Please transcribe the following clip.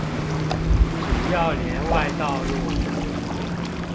主要聯外道路